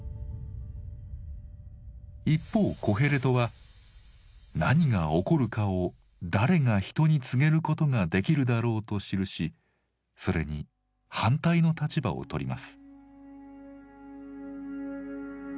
一方コヘレトは「何が起こるかを誰が人に告げることができるだろう」と記しそれに反対の立場をとります。